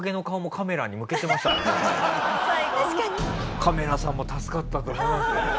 カメラさんも助かったと思いますよ。